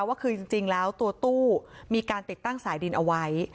ว่าคือจริงแล้วตัวตู้มีการติดตั้งสายดินเอาไว้